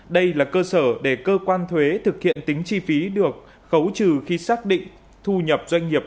đây là cơ sở để cơ quan thuế thực hiện tính chi phí được khấu trừ khi xác định thu nhập doanh nghiệp